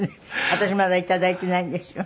私まだ頂いてないんですよ。